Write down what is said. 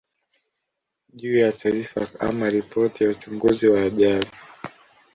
juu ya taarifa ama ripoti ya uchunguzi wa ajali